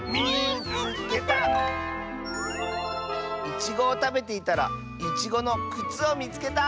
「いちごをたべていたらいちごのくつをみつけた！」。